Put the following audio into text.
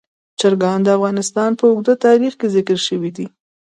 چرګان د افغانستان په اوږده تاریخ کې ذکر شوي دي.